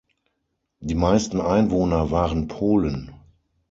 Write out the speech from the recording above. Die meisten Einwohner waren Polen.